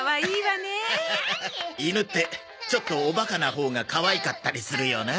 犬ってちょっとおバカなほうがかわいかったりするよな。